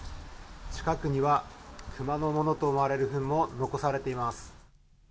近くには熊のものと思われるフンも残されています。